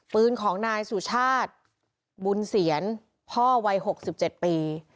ปืนของนายสุชาติบุญเสียรพ่อวัย๖๗ปี